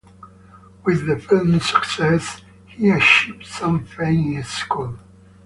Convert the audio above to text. With the film's success, he achieved some fame in his school.